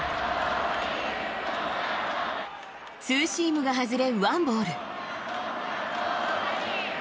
ツーシームが外れワンボール。